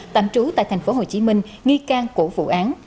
tạm trú tại thành phố hồ chí minh nghi can của vụ án